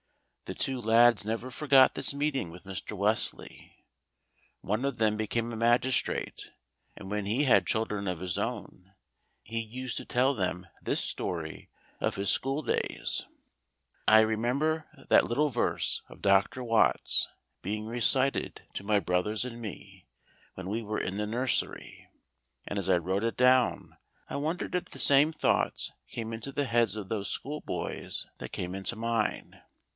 The two lads never forgot this meeting with Mr. Wesley. One of them became a magistrate, and when he had children of his own he used to tell them this story of his school days. I remember that little verse of Dr. Watts' being recited to my brothers and me when we were in the nursery, and as I wrote it down I wondered if the same thoughts came into the heads of those school boys that came into mine.